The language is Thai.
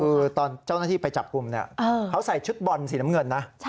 คือตอนเจ้าหน้าที่ไปจับกลุ่มเนี่ยเขาใส่ชุดบอลสีน้ำเงินนะ